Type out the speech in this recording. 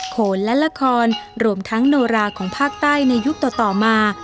โขนและละครรวมทั้งโนราของภาคใต้ในยุคต่อมา